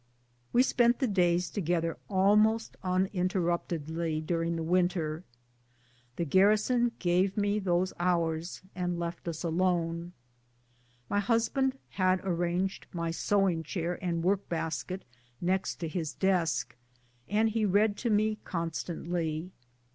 We spent the days together almost uninterruptedly GARRISON LIFE. 145 during the winter. The garrison gave me those hours and left us alone. My husband had arranged my sew ing chair and work basket next to his desk, and he read to me constantly.